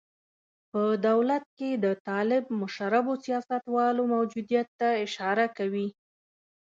په دولت کې د طالب مشربو سیاستوالو موجودیت ته اشاره کوي.